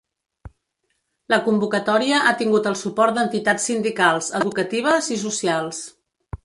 La convocatòria ha tingut el suport d’entitats sindicals, educatives i socials.